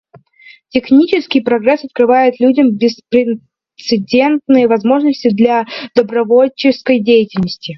Технический прогресс открывает людям беспрецедентные возможности для добровольческой деятельности.